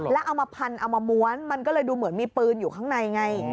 แล้วเอามาพันเอามาม้วนมันก็เลยดูเหมือนมีปืนอยู่ข้างในไง